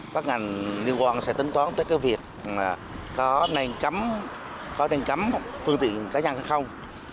các ngành liên quan sẽ tấn toán tới việc có nền chấm phương tiện cá nhân không